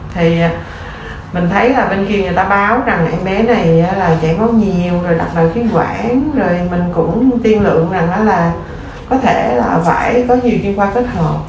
thì mình thấy là bên kia người ta báo rằng em bé này là trẻ máu nhiều rồi đặt vào cái quãng rồi mình cũng tiên lượng rằng đó là có thể là phải có nhiều chuyên khoa kết hợp